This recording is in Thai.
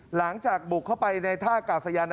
หลังจากบุกเข้าไปในท่ากาศยาน